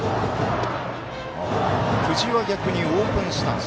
久慈は逆にオープンスタンス。